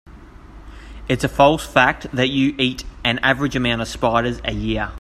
It's a false fact that you eat an average amount of spiders a year.